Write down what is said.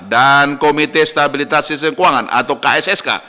dan komite stabilitas sistem keuangan atau kssk